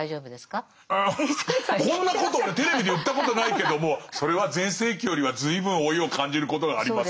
こんなこと俺テレビで言ったことないけどもそれは全盛期よりは随分老いを感じることがあります。